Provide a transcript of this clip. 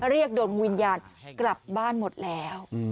เรียกดวงวิญญาณกลับบ้านหมดแล้ว